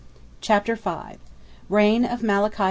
CHAPTER V. REIGN OF MALACHY II.